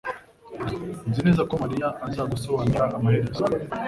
Nzi neza ko mariya azagusobanurira amaherezo